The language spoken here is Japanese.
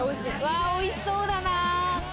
おいしそうだな！